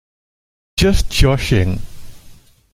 Just joshing!